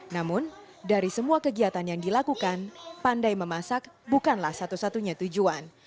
namun dari semua kegiatan yang dilakukan pandai memasak bukanlah satu satunya tujuan